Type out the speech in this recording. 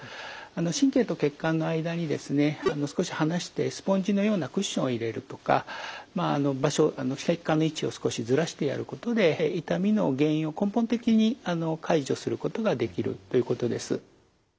神経と血管の間にですね少し離してスポンジのようなクッションを入れるとか場所血管の位置を少しずらしてやることで痛みの原因を根本的に解除することができるということです。